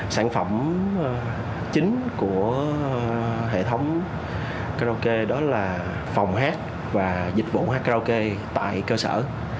sản phẩm chính của hệ thống karaoke đó là phòng hát và dịch vụ karaoke tại cơ sở